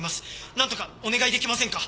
何とかお願いできませんか？